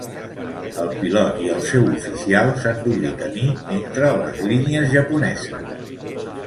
El pilot i el seu oficial s'han d'obrir camí entre les línies japoneses.